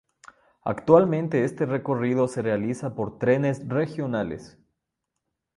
Actualmente este recorrido se realiza por trenes regionales.